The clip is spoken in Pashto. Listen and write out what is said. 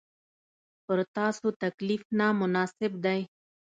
پر تاسو تکلیف نامناسب دی.